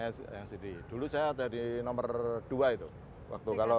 iya namanya yang sendiri dulu saya ada di nomor dua itu